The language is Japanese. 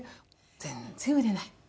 全然売れない。